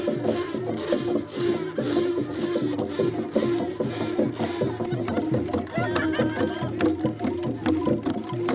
dan juga untuk berlangganan di atas kanan